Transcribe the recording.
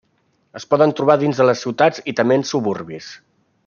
Es poden trobar dins de les ciutats i també en suburbis.